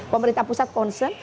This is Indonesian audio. pemerintah pusat concern